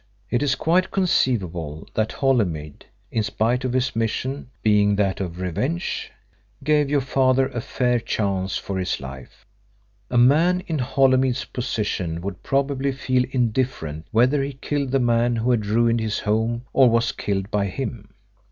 It is quite conceivable that Holymead, in spite of his mission, being that of revenge, gave your father a fair chance for his life. A man in Holymead's position would probably feel indifferent whether he killed the man who had ruined his home or was killed by him.